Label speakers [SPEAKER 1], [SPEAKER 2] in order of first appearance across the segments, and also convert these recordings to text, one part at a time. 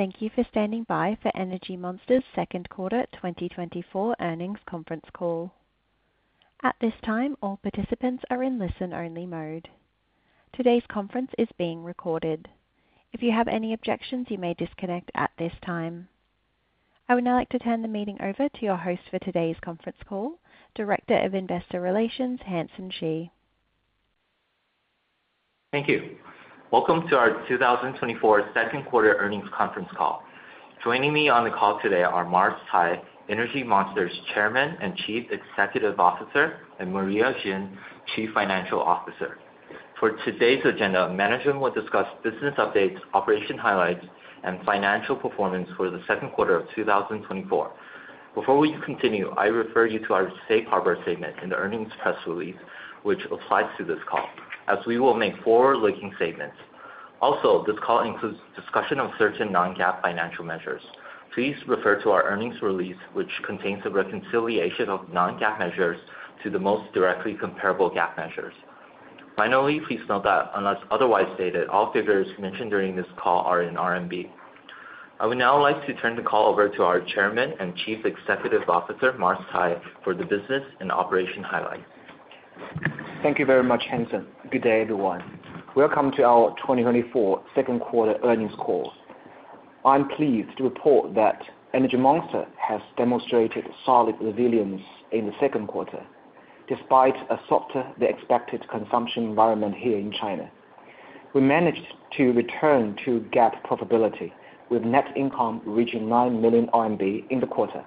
[SPEAKER 1] Hello, and thank you for standing by for Energy Monster's second quarter 2024 earnings conference call. At this time, all participants are in listen-only mode. Today's conference is being recorded. If you have any objections, you may disconnect at this time. I would now like to turn the meeting over to your host for today's conference call, Director of Investor Relations, Hansen Shi.
[SPEAKER 2] Thank you. Welcome to our 2024 second quarter earnings conference call. Joining me on the call today are Mars Cai, Energy Monster's Chairman and Chief Executive Officer, and Maria Xin, Chief Financial Officer. For today's agenda, management will discuss business updates, operation highlights, and financial performance for the second quarter of 2024. Before we continue, I refer you to our safe harbor segment in the earnings press release, which applies to this call, as we will make forward-looking statements. Also, this call includes discussion of certain non-GAAP financial measures. Please refer to our earnings release, which contains a reconciliation of non-GAAP measures to the most directly comparable GAAP measures. Finally, please note that unless otherwise stated, all figures mentioned during this call are in RMB. I would now like to turn the call over to our Chairman and Chief Executive Officer, Mars Cai, for the business and operation highlights.
[SPEAKER 3] Thank you very much, Hansen. Good day, everyone. Welcome to our 2024 second quarter earnings call. I'm pleased to report that Energy Monster has demonstrated solid resilience in the second quarter, despite a softer-than-expected consumption environment here in China. We managed to return to GAAP profitability, with net income reaching 9 million RMB in the quarter.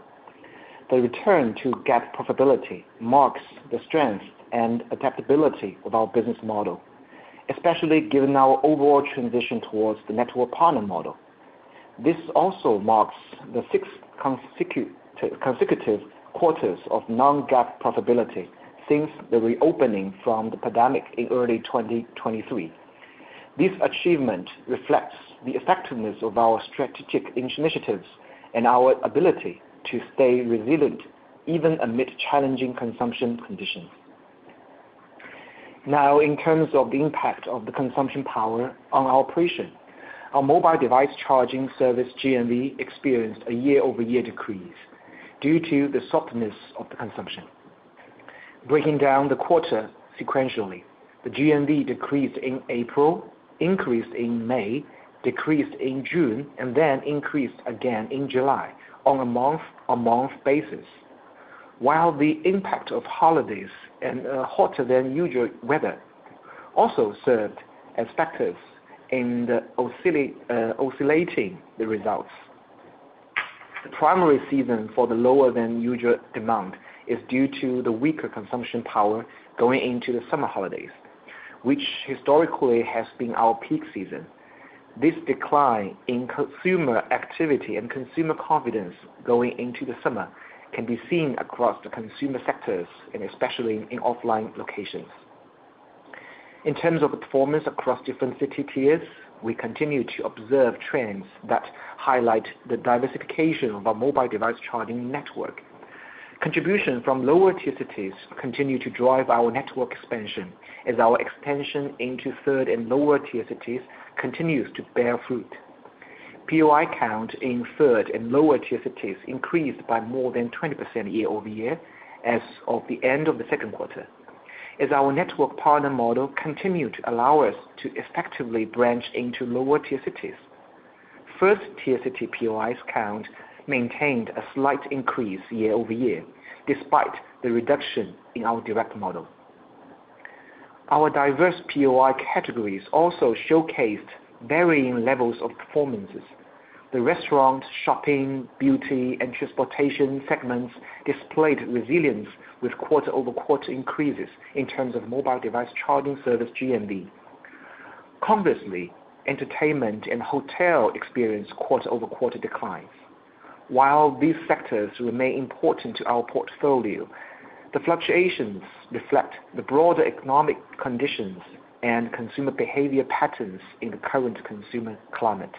[SPEAKER 3] The return to GAAP profitability marks the strength and adaptability of our business model, especially given our overall transition towards the network partner model. This also marks the sixth consecutive quarters of non-GAAP profitability since the reopening from the pandemic in early 2023. This achievement reflects the effectiveness of our strategic initiatives and our ability to stay resilient, even amid challenging consumption conditions. Now, in terms of the impact of the consumption power on our operation, our mobile device charging service, GMV, experienced a year-over-year decrease due to the softness of the consumption. Breaking down the quarter sequentially, the GMV decreased in April, increased in May, decreased in June, and then increased again in July on a month-on-month basis. While the impact of holidays and hotter-than-usual weather also served as factors in oscillating the results. The primary reason for the lower-than-usual demand is due to the weaker consumption power going into the summer holidays, which historically has been our peak season. This decline in consumer activity and consumer confidence going into the summer can be seen across the consumer sectors and especially in offline locations. In terms of the performance across different city tiers, we continue to observe trends that highlight the diversification of our mobile device charging network. Contribution from lower-tier cities continue to drive our network expansion, as our expansion into third and lower-tier cities continues to bear fruit. POI count in third and lower-tier cities increased by more than 20% year-over-year as of the end of the second quarter, as our network partner model continued to allow us to effectively branch into lower-tier cities. First-tier city POIs count maintained a slight increase year-over-year, despite the reduction in our direct model. Our diverse POI categories also showcased varying levels of performances. The restaurant, shopping, beauty, and transportation segments displayed resilience with quarter-over-quarter increases in terms of mobile device charging service GMV. Conversely, entertainment and hotel experienced quarter-over-quarter declines. While these sectors remain important to our portfolio, the fluctuations reflect the broader economic conditions and consumer behavior patterns in the current consumer climate.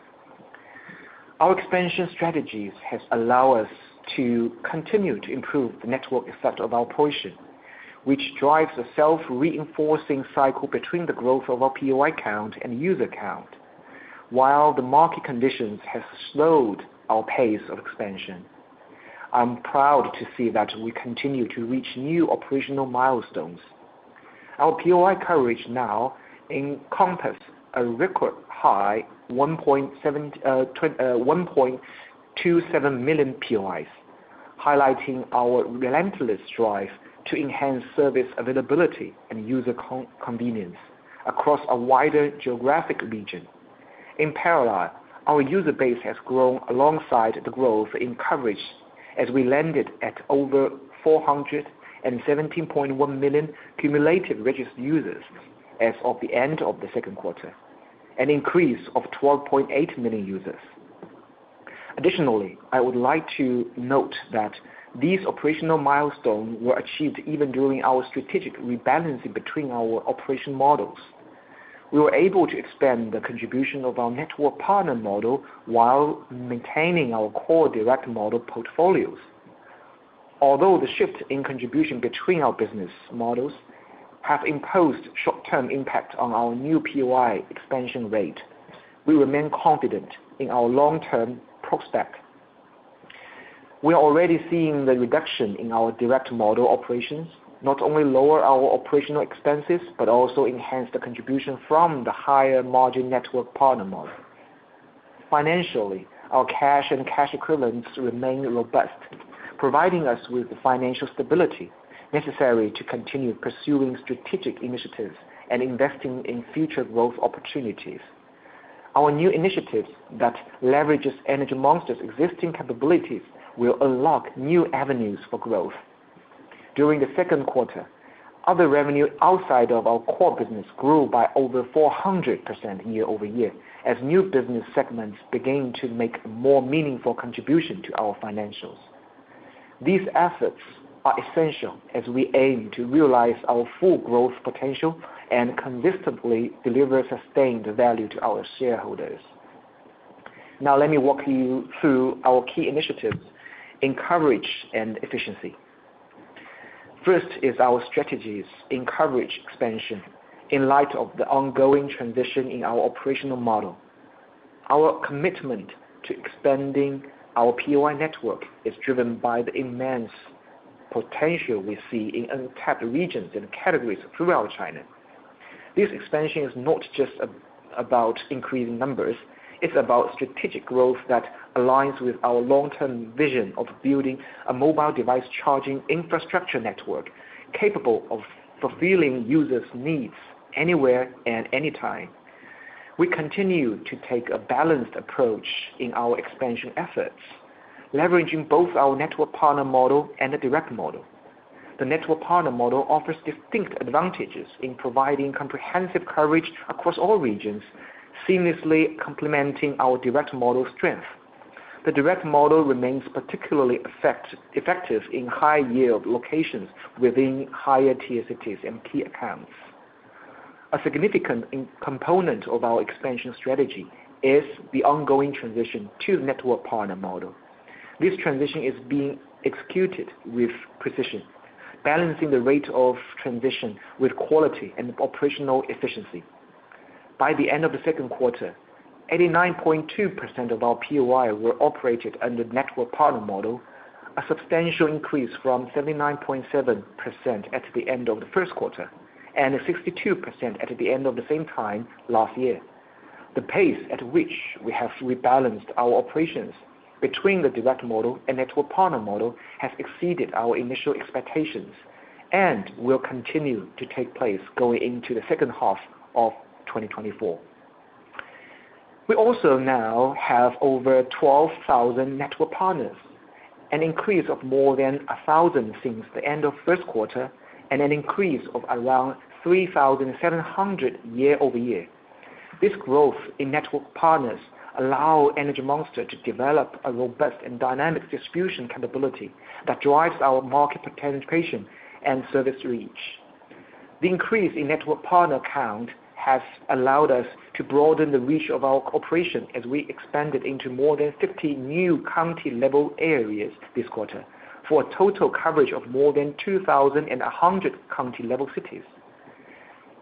[SPEAKER 3] Our expansion strategies has allow us to continue to improve the network effect of our position, which drives a self-reinforcing cycle between the growth of our POI count and user count. While the market conditions have slowed our pace of expansion, I'm proud to see that we continue to reach new operational milestones. Our POI coverage now encompass a record high, 1.27 million POIs, highlighting our relentless drive to enhance service availability and user convenience across a wider geographic region. In parallel, our user base has grown alongside the growth in coverage, as we landed at over 417.1 million cumulative registered users as of the end of the second quarter, an increase of 12.8 million users. Additionally, I would like to note that these operational milestones were achieved even during our strategic rebalancing between our operation models. We were able to expand the contribution of our network partner model while maintaining our core direct model portfolios. Although the shift in contribution between our business models have imposed short-term impact on our new POI expansion rate, we remain confident in our long-term prospect. We are already seeing the reduction in our direct model operations not only lower our operational expenses, but also enhance the contribution from the higher margin network partner model. Financially, our cash and cash equivalents remain robust, providing us with the financial stability necessary to continue pursuing strategic initiatives and investing in future growth opportunities. Our new initiatives that leverages Energy Monster's existing capabilities will unlock new avenues for growth. During the second quarter, other revenue outside of our core business grew by over 400% year-over-year, as new business segments began to make more meaningful contribution to our financials. These assets are essential as we aim to realize our full growth potential and consistently deliver sustained value to our shareholders. Now, let me walk you through our key initiatives in coverage and efficiency. First is our strategies in coverage expansion in light of the ongoing transition in our operational model. Our commitment to expanding our POI network is driven by the immense potential we see in untapped regions and categories throughout China. This expansion is not just about increasing numbers, it's about strategic growth that aligns with our long-term vision of building a mobile device charging infrastructure network, capable of fulfilling users' needs anywhere and anytime. We continue to take a balanced approach in our expansion efforts, leveraging both our network partner model and the direct model. The network partner model offers distinct advantages in providing comprehensive coverage across all regions, seamlessly complementing our direct model strength. The direct model remains particularly effective in high-yield locations within higher tier cities and key accounts. A significant component of our expansion strategy is the ongoing transition to network partner model. This transition is being executed with precision, balancing the rate of transition with quality and operational efficiency. By the end of the second quarter, 89.2% of our POI were operated under the network partner model, a substantial increase from 79.7% at the end of the first quarter, and 62% at the end of the same time last year. The pace at which we have rebalanced our operations between the direct model and network partner model, has exceeded our initial expectations, and will continue to take place going into the second half of 2024. We also now have over 12,000 network partners, an increase of more than 1,000 since the end of first quarter, and an increase of around 3,700 year-over-year. This growth in network partners allow Energy Monster to develop a robust and dynamic distribution capability that drives our market penetration and service reach. The increase in network partner count has allowed us to broaden the reach of our operation as we expanded into more than 50 new county-level areas this quarter, for a total coverage of more than 2,100 county-level cities.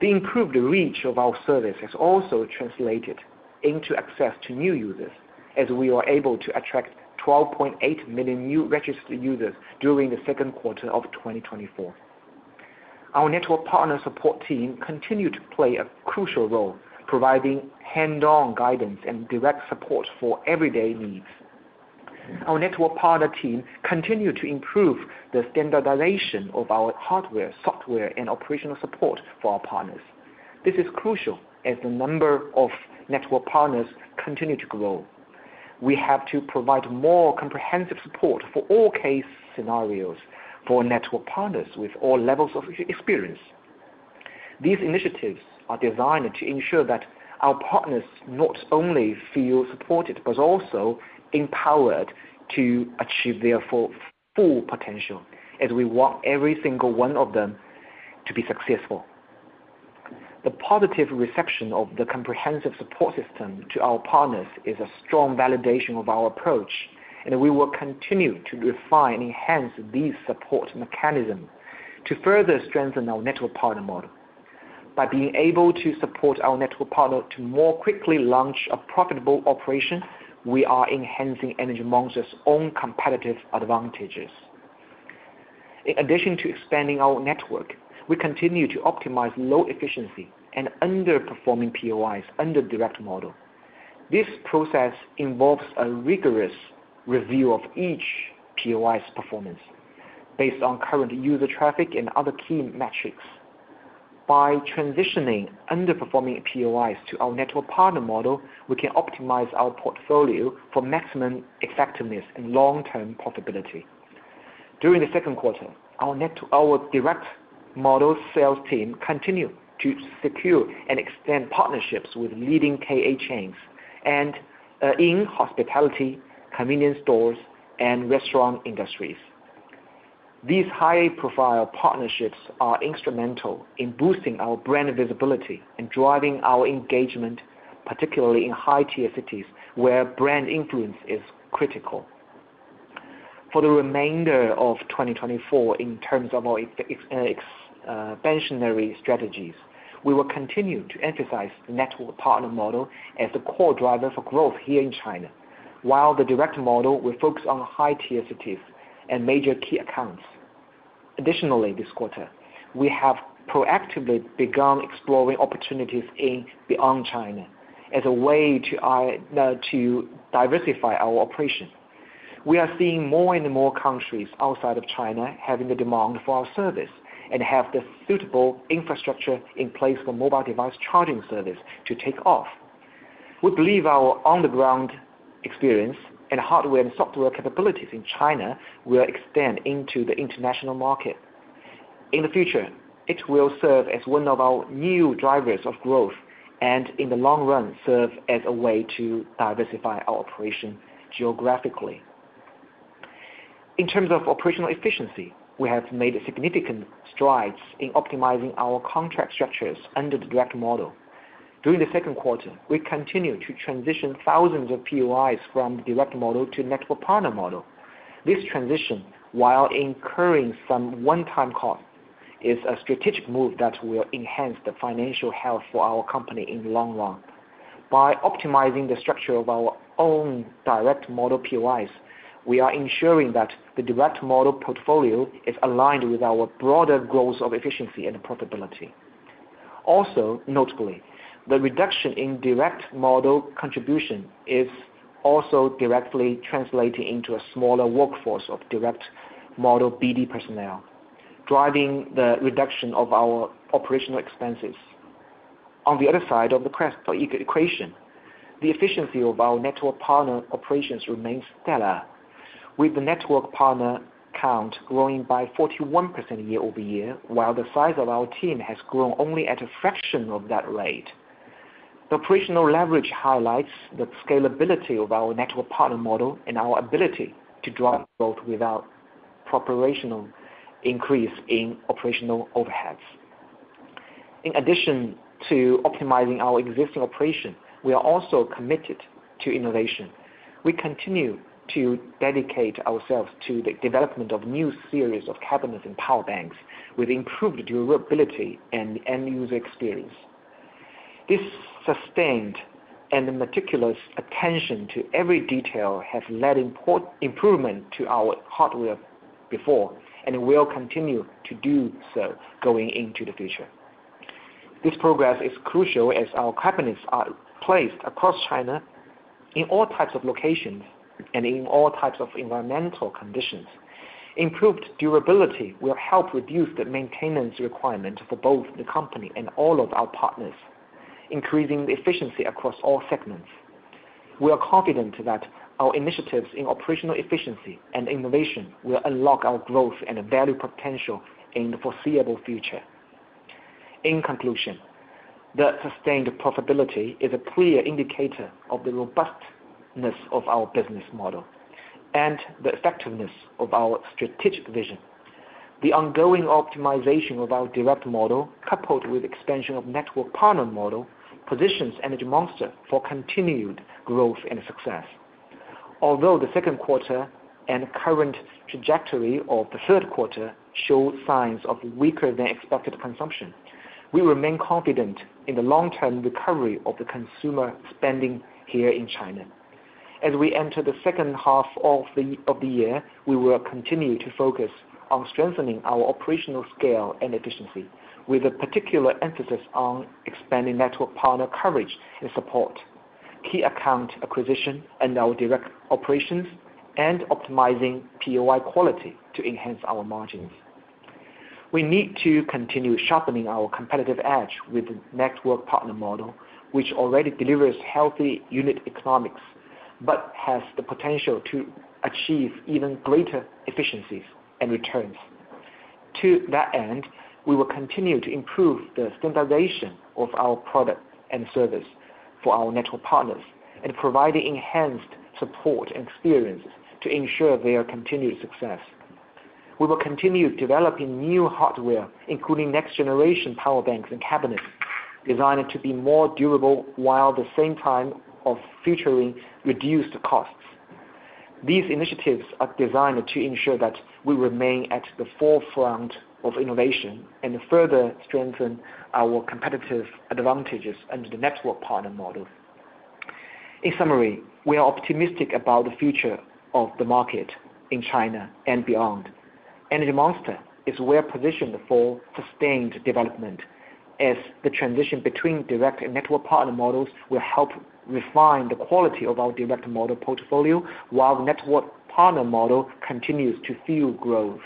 [SPEAKER 3] The improved reach of our service has also translated into access to new users, as we were able to attract 12.8 million new registered users during the second quarter of 2024. Our network partner support team continued to play a crucial role, providing hands-on guidance and direct support for everyday needs. Our network partner team continued to improve the standardization of our hardware, software, and operational support for our partners. This is crucial as the number of network partners continue to grow. We have to provide more comprehensive support for all case scenarios for network partners with all levels of experience. These initiatives are designed to ensure that our partners not only feel supported, but also empowered to achieve their full, full potential, as we want every single one of them to be successful. The positive reception of the comprehensive support system to our partners is a strong validation of our approach, and we will continue to refine and enhance these support mechanisms to further strengthen our network partner model. By being able to support our network partner to more quickly launch a profitable operation, we are enhancing Energy Monster's own competitive advantages. In addition to expanding our network, we continue to optimize low efficiency and underperforming POIs under direct model. This process involves a rigorous review of each POI's performance based on current user traffic and other key metrics. By transitioning underperforming POIs to our network partner model, we can optimize our portfolio for maximum effectiveness and long-term profitability. During the second quarter, our direct model sales team continued to secure and extend partnerships with leading KA chains and in hospitality, convenience stores, and restaurant industries. These high-profile partnerships are instrumental in boosting our brand visibility and driving our engagement particularly in high-tier cities where brand influence is critical. For the remainder of 2024, in terms of our expansionary strategies, we will continue to emphasize the network partner model as the core driver for growth here in China, while the direct model will focus on high-tier cities and major key accounts. Additionally, this quarter, we have proactively begun exploring opportunities in beyond China as a way to to diversify our operation. We are seeing more and more countries outside of China having the demand for our service and have the suitable infrastructure in place for mobile device charging service to take off. We believe our on-the-ground experience and hardware and software capabilities in China will extend into the international market. In the future, it will serve as one of our new drivers of growth, and in the long run, serve as a way to diversify our operation geographically. In terms of operational efficiency, we have made significant strides in optimizing our contract structures under the direct model. During the second quarter, we continued to transition thousands of POIs from direct model to network partner model. This transition, while incurring some one-time cost, is a strategic move that will enhance the financial health for our company in the long run. By optimizing the structure of our own direct model POIs, we are ensuring that the direct model portfolio is aligned with our broader goals of efficiency and profitability. Also, notably, the reduction in direct model contribution is also directly translating into a smaller workforce of direct model BD personnel, driving the reduction of our operational expenses. On the other side of the equation, the efficiency of our network partner operations remains stellar, with the network partner count growing by 41% year-over-year, while the size of our team has grown only at a fraction of that rate. The operational leverage highlights the scalability of our network partner model and our ability to drive growth without proportional increase in operational overheads. In addition to optimizing our existing operation, we are also committed to innovation. We continue to dedicate ourselves to the development of new series of cabinets and power banks with improved durability and end-user experience. This sustained and meticulous attention to every detail has led improvement to our hardware before, and will continue to do so going into the future. This progress is crucial as our cabinets are placed across China in all types of locations and in all types of environmental conditions. Improved durability will help reduce the maintenance requirement for both the company and all of our partners, increasing the efficiency across all segments. We are confident that our initiatives in operational efficiency and innovation will unlock our growth and value potential in the foreseeable future. In conclusion, the sustained profitability is a clear indicator of the robustness of our business model and the effectiveness of our strategic vision. The ongoing optimization of our direct model, coupled with expansion of network partner model, positions Energy Monster for continued growth and success. Although the second quarter and current trajectory of the third quarter show signs of weaker than expected consumption, we remain confident in the long-term recovery of the consumer spending here in China. As we enter the second half of the year, we will continue to focus on strengthening our operational scale and efficiency, with a particular emphasis on expanding network partner coverage and support, key account acquisition, and our direct operations, and optimizing POI quality to enhance our margins. We need to continue sharpening our competitive edge with the network partner model, which already delivers healthy unit economics, but has the potential to achieve even greater efficiencies and returns. To that end, we will continue to improve the standardization of our product and service for our network partners and provide enhanced support and experiences to ensure their continued success. We will continue developing new hardware, including next-generation power banks and cabinets, designed to be more durable, while at the same time featuring reduced costs. These initiatives are designed to ensure that we remain at the forefront of innovation and further strengthen our competitive advantages under the network partner model. In summary, we are optimistic about the future of the market in China and beyond. Energy Monster is well positioned for sustained development, as the transition between direct and network partner models will help refine the quality of our direct model portfolio, while the network partner model continues to fuel growth.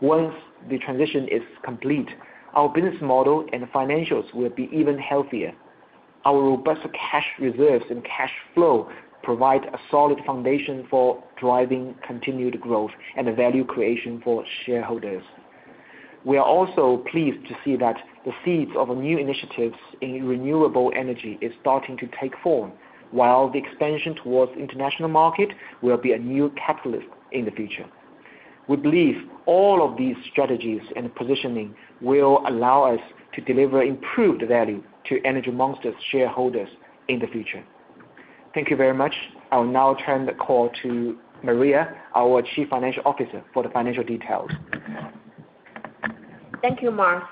[SPEAKER 3] Once the transition is complete, our business model and financials will be even healthier. Our robust cash reserves and cash flow provide a solid foundation for driving continued growth and value creation for shareholders. We are also pleased to see that the seeds of new initiatives in renewable energy is starting to take form, while the expansion towards international market will be a new catalyst in the future. We believe all of these strategies and positioning will allow us to deliver improved value to Energy Monster's shareholders in the future. Thank you very much. I will now turn the call to Maria, our Chief Financial Officer, for the financial details.
[SPEAKER 4] Thank you, Mars.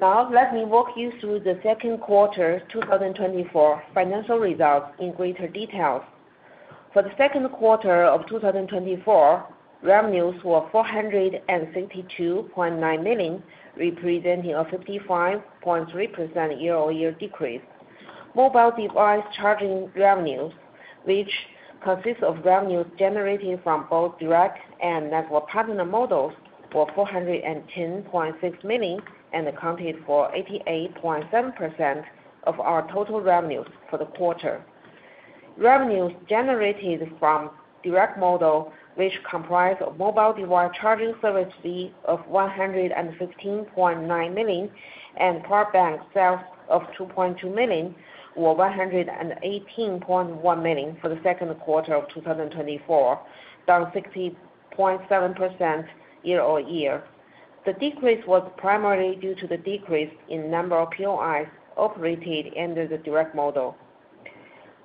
[SPEAKER 4] Now let me walk you through the second quarter 2024 financial results in greater details. For the second quarter of 2024, revenues were 462.9 million, representing a 55.3% year-over-year decrease. Mobile device charging revenues, which consists of revenues generated from both direct and network partner models, were 410.6 million, and accounted for 88.7% of our total revenues for the quarter. Revenues generated from direct model, which comprise of mobile device charging service fee of 115.9 million, and power bank sales of 2.2 million, were 118.1 million for the second quarter of 2024, down 60.7% year-over-year. The decrease was primarily due to the decrease in number of POIs operated under the direct model.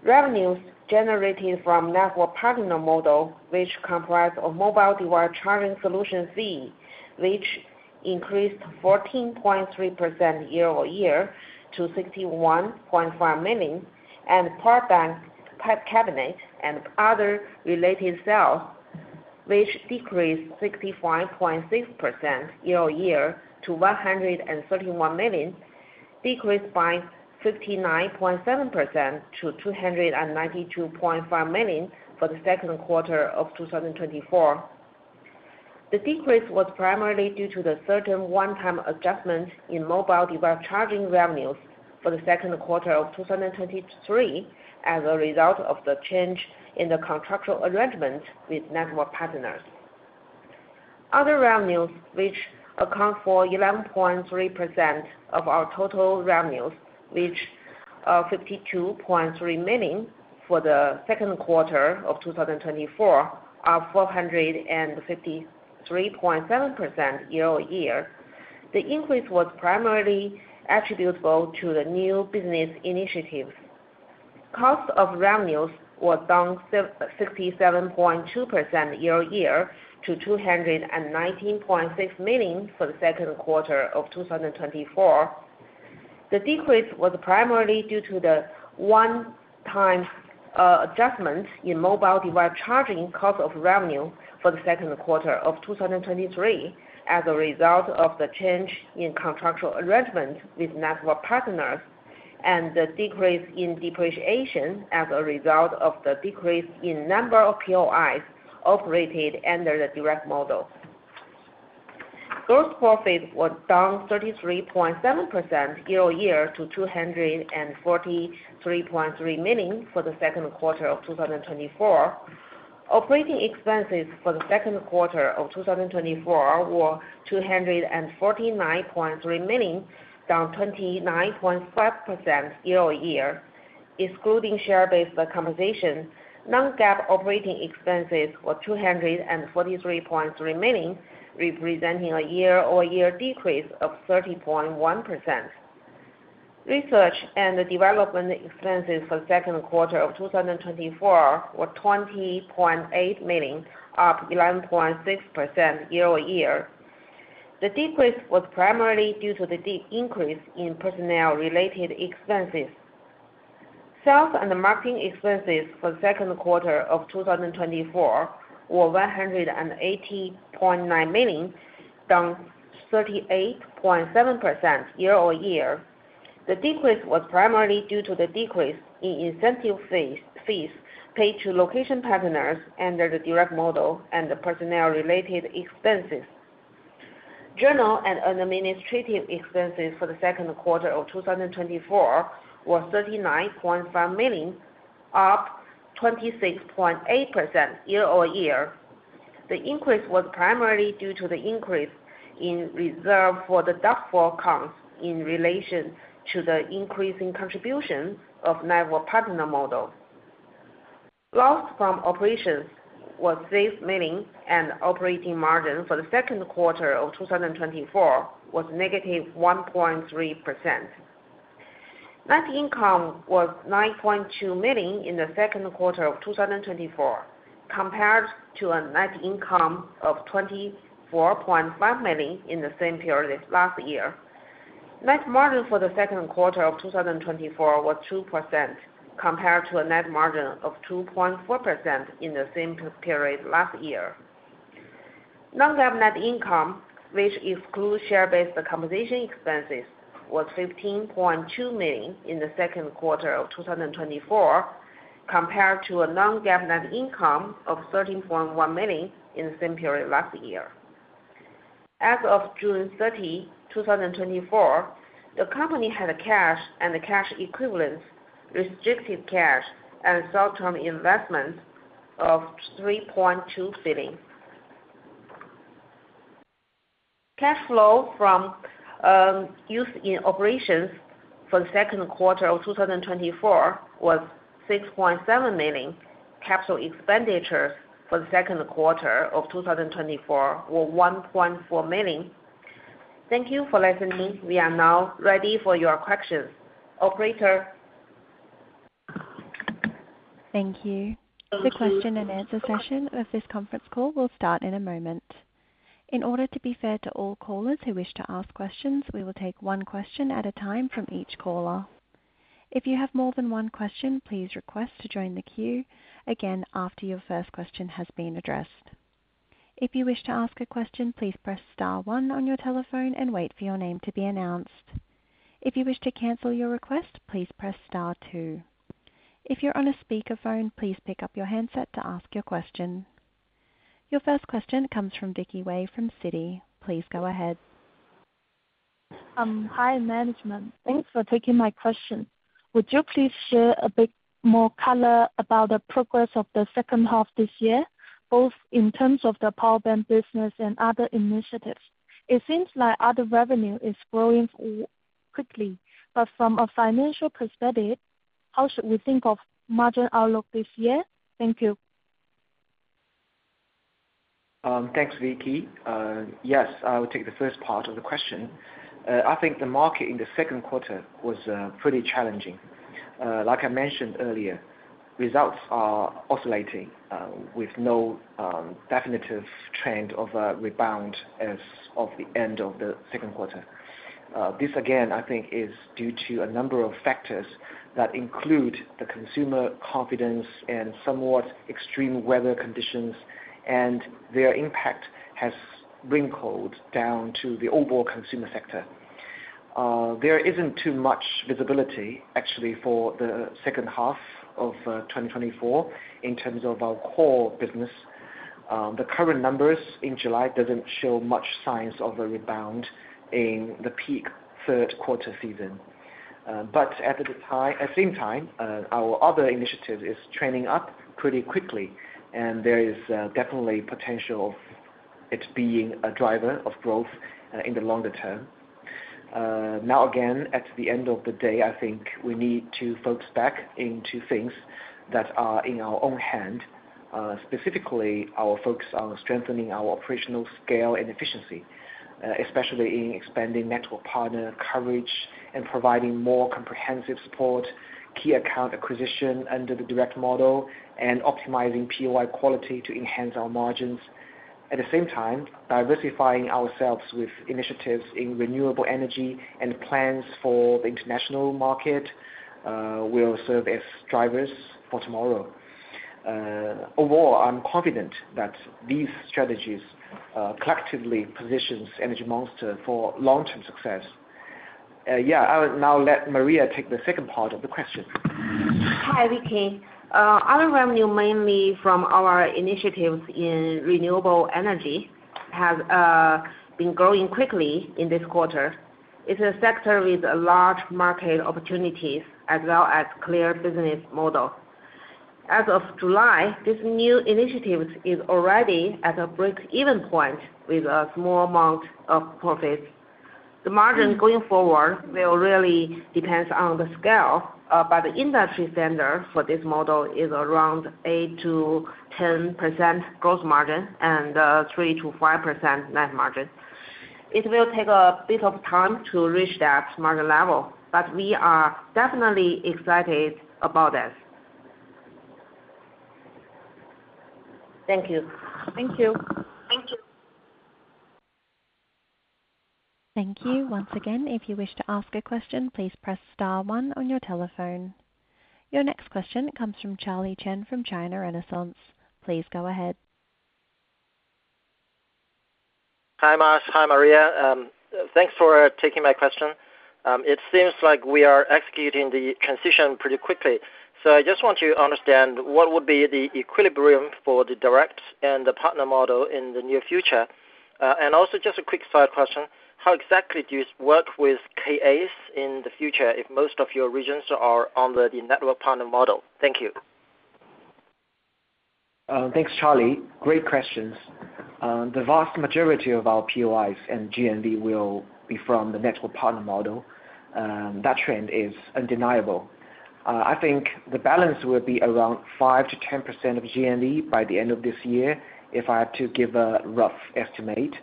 [SPEAKER 4] Revenues generated from network partner model, which comprise of mobile device charging solution fee, which increased 14.3% year-over-year to 61.5 million, and power bank, cabinet, and other related sales, which decreased 65.6% year-over-year to 131 million, decreased by 59.7% to 292.5 million for the second quarter of 2024. The decrease was primarily due to the certain one-time adjustment in mobile device charging revenues for the second quarter of 2023, as a result of the change in the contractual arrangement with network partners. Other revenues, which account for 11.3% of our total revenues, which are 52.3 million for the second quarter of 2024, are 453.7% year-over-year. The increase was primarily attributable to the new business initiatives. Cost of revenues was down 67.2% year-over-year to 219.6 million for the second quarter of 2024. The decrease was primarily due to the one-time, adjustment in mobile device charging cost of revenue for the second quarter of 2023, as a result of the change in contractual arrangement with network partners, and the decrease in depreciation as a result of the decrease in number of POIs operated under the direct model. Gross profit was down 33.7% year-over-year to 243.3 million for the second quarter of 2024. Operating expenses for the second quarter of 2024 were 249.3 million, down 29.5% year-over-year. Excluding share-based compensation, non-GAAP operating expenses were 243.3 million, representing a year-over-year decrease of 30.1%. Research and development expenses for the second quarter of 2024 were 20.8 million, up 11.6% year-over-year. The increase was primarily due to the increase in personnel-related expenses. Sales and marketing expenses for the second quarter of 2024 were 180.9 million, down 38.7% year-over-year. The decrease was primarily due to the decrease in incentive fees, fees paid to location partners under the direct model and the personnel-related expenses. General and administrative expenses for the second quarter of 2024 were 39.5 million, up 26.8% year-over-year. The increase was primarily due to the increase in reserve for the doubtful accounts in relation to the increase in contribution of network partner models. Loss from operations was RMB 6 million, and operating margin for the second quarter of 2024 was -1.3%. Net income was 9.2 million in the second quarter of 2024, compared to a net income of 24.5 million in the same period last year. Net margin for the second quarter of 2024 was 2%, compared to a net margin of 2.4% in the same period last year. Non-GAAP net income, which excludes share-based compensation expenses, was 15.2 million in the second quarter of 2024, compared to a non-GAAP net income of 13.1 million in the same period last year. As of June 30, 2024, the company had cash and cash equivalents, restricted cash and short-term investments of RMB 3.2 billion. Cash flow from use in operations for the second quarter of 2024 was 6.7 million. Capital expenditures for the second quarter of 2024 were 1.4 million. Thank you for listening. We are now ready for your questions. Operator?
[SPEAKER 1] Thank you. The question and answer session of this conference call will start in a moment. In order to be fair to all callers who wish to ask questions, we will take one question at a time from each caller. If you have more than one question, please request to join the queue again after your first question has been addressed. If you wish to ask a question, please press star one on your telephone and wait for your name to be announced. If you wish to cancel your request, please press star two. If you're on a speakerphone, please pick up your handset to ask your question. Your first question comes from Vicky Wei from Citi. Please go ahead.
[SPEAKER 5] Hi, management. Thanks for taking my question. Would you please share a bit more color about the progress of the second half this year, both in terms of the power bank business and other initiatives? It seems like other revenue is growing quickly, but from a financial perspective, how should we think of margin outlook this year? Thank you.
[SPEAKER 3] Thanks, Vicky. Yes, I will take the first part of the question. I think the market in the second quarter was pretty challenging. Like I mentioned earlier, results are oscillating with no definitive trend of a rebound as of the end of the second quarter. This, again, I think, is due to a number of factors that include the consumer confidence and somewhat extreme weather conditions, and their impact has trickled down to the overall consumer sector. There isn't too much visibility actually for the second half of 2024 in terms of our core business. The current numbers in July doesn't show much signs of a rebound in the peak third quarter season. But at the same time, our other initiative is trending up pretty quickly, and there is definitely potential of it being a driver of growth in the longer term. Now, again, at the end of the day, I think we need to focus back into things that are in our own hand. Specifically, our focus on strengthening our operational scale and efficiency, especially in expanding network partner coverage and providing more comprehensive support, key account acquisition under the direct model, and optimizing POI quality to enhance our margins. At the same time, diversifying ourselves with initiatives in renewable energy and plans for the international market will serve as drivers for tomorrow. Overall, I'm confident that these strategies collectively positions Energy Monster for long-term success. Yeah, I will now let Maria take the second part of the question.
[SPEAKER 4] Hi, Vicky. Our revenue, mainly from our initiatives in renewable energy, has been growing quickly in this quarter. It's a sector with a large market opportunities as well as clear business model. As of July, this new initiatives is already at a break-even point with a small amount of profits. The margin going forward will really depends on the scale, but the industry standard for this model is around 8%-10% gross margin and, 3%-5% net margin. It will take a bit of time to reach that margin level, but we are definitely excited about this.
[SPEAKER 5] Thank you.
[SPEAKER 4] Thank you.
[SPEAKER 5] Thank you.
[SPEAKER 1] Thank you. Once again, if you wish to ask a question, please press star one on your telephone. Your next question comes from Charlie Chen from China Renaissance. Please go ahead.
[SPEAKER 6] Hi, Mars. Hi, Maria. Thanks for taking my question. It seems like we are executing the transition pretty quickly, so I just want to understand what would be the equilibrium for the direct and the partner model in the near future? And also just a quick side question: How exactly do you work with KAs in the future if most of your regions are on the network partner model? Thank you.
[SPEAKER 3] Thanks, Charlie. Great questions. The vast majority of our POIs and GMV will be from the network partner model. That trend is undeniable. I think the balance will be around 5%-10% of GMV by the end of this year, if I had to give a rough estimate.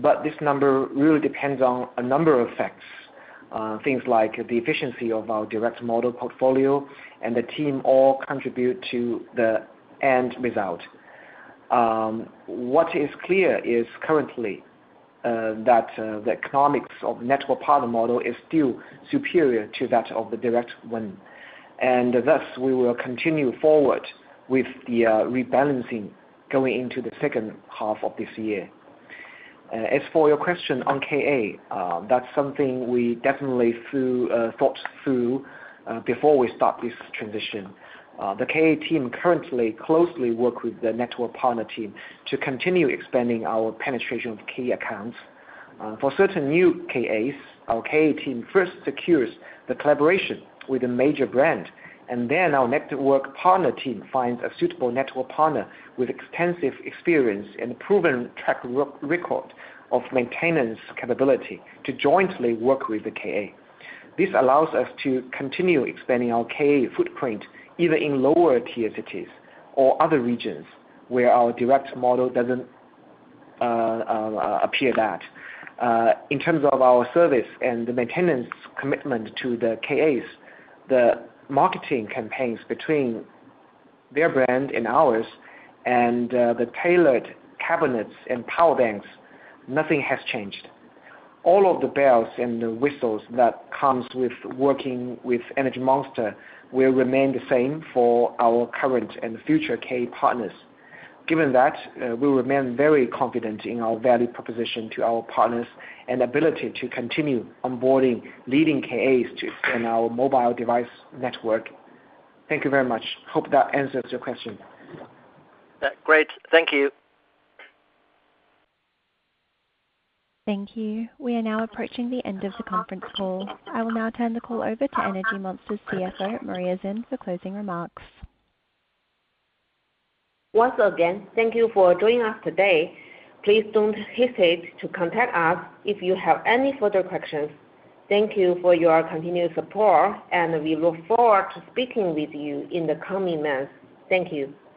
[SPEAKER 3] But this number really depends on a number of facts, things like the efficiency of our direct model portfolio and the team all contribute to the end result. What is clear is currently that the economics of network partner model is still superior to that of the direct one, and thus, we will continue forward with the rebalancing going into the second half of this year. As for your question on KA, that's something we definitely thought through before we start this transition. The KA team currently closely work with the network partner team to continue expanding our penetration of key accounts. For certain new KAs, our KA team first secures the collaboration with a major brand, and then our network partner team finds a suitable network partner with extensive experience and a proven track record of maintenance capability to jointly work with the KA. This allows us to continue expanding our KA footprint, either in lower tier cities or other regions, where our direct model doesn't appear that. In terms of our service and the maintenance commitment to the KAs, the marketing campaigns between their brand and ours, and the tailored cabinets and power banks, nothing has changed. All of the bells and the whistles that comes with working with Energy Monster will remain the same for our current and future KA partners. Given that, we will remain very confident in our value proposition to our partners and ability to continue onboarding leading KAs to expand our mobile device network. Thank you very much. Hope that answers your question.
[SPEAKER 6] Great. Thank you.
[SPEAKER 1] Thank you. We are now approaching the end of the conference call. I will now turn the call over to Energy Monster's CFO, Maria Xin, for closing remarks.
[SPEAKER 4] Once again, thank you for joining us today. Please don't hesitate to contact us if you have any further questions. Thank you for your continued support, and we look forward to speaking with you in the coming months. Thank you.